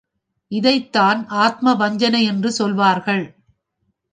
இதைத்தான் ஆத்ம வஞ்சனை என்று சொல்வார்கள்.